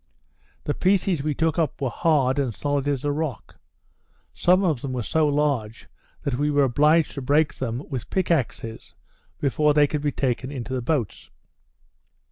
The pieces we took up were hard, and solid as a rock; some of them were so large, that we were obliged to break them with pick axes before they could be taken into the boats.